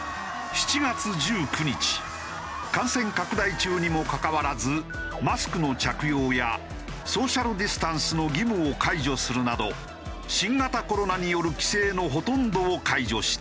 ７月１９日感染拡大中にもかかわらずマスクの着用やソーシャルディスタンスの義務を解除するなど新型コロナによる規制のほとんどを解除した。